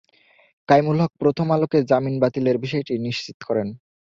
কাইমুল হক প্রথম আলোকে জামিন বাতিলের বিষয়টি নিশ্চিত করেন।